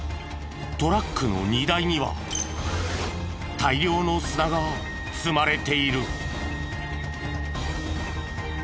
トラックの荷台には大量の砂が積まれている。